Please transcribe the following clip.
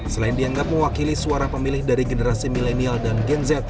selain dianggap mewakili suara pemilih dari generasi milenial dan gen z